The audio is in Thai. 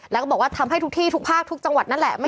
แล้วก็บอกว่าทำให้ทุกที่ทุกภาคทุกจังหวัดนั่นแหละ